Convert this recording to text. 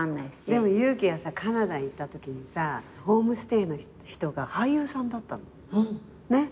でもゆう姫はさカナダ行ったときにさホームステイの人が俳優さんだったの。ね？